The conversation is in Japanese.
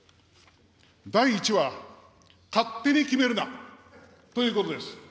第１は、勝手に決めるなということです。